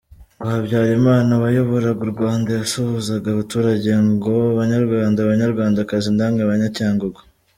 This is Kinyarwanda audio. Ngo Habyarimana wayoboraga u Rwanda yasuhuzaga abaturage ngo “Banyarwanda, banyarwandakazi namwe Banyacyangugu.